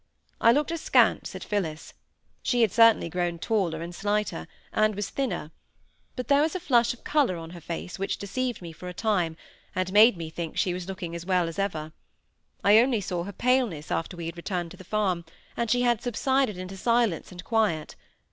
I looked askance at Phillis. She had certainly grown taller and slighter, and was thinner; but there was a flush of colour on her face which deceived me for a time, and made me think she was looking as well as ever. I only saw her paleness after we had returned to the farm, and she had subsided into silence and quiet.